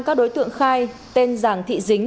các đối tượng khai tên giàng thị dính